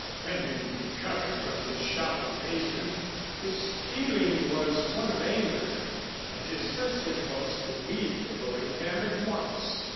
When he recovered from his shock of amazement, his feeling was one of anger, and his first impulse to leave the Loring camp at once.